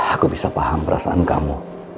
aku bisa paham perasaan kamu